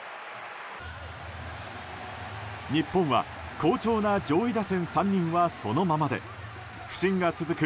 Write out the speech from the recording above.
日本は好調な上位打線３人はそのままで不振が続く